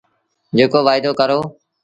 جيڪو وآئيدو ڪرو۔